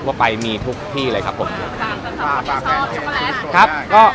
ว่าไปมีทุกที่เลยครับผมฝากครับสำหรับใครชอบช็อคโกแลตครับ